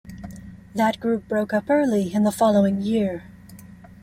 That group broke up early in the following year.